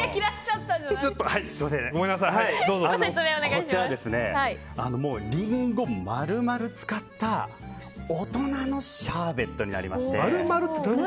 こちら、リンゴを丸々使った大人のシャーベットになりまして。